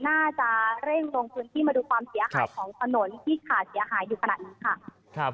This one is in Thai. น่าจะเร่งลงพื้นที่มาดูความเสียหายของถนนที่ขาดเสียหายอยู่ขนาดนี้ค่ะครับ